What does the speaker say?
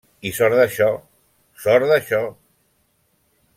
I sort d'això, sort d'això!